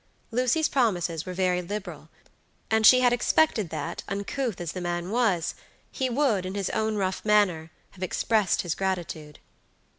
Lucy's promises were very liberal, and she had expected that, uncouth as the man was, he would, in his own rough manner, have expressed his gratitude.